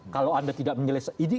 kalau anda tidak menyelesaikan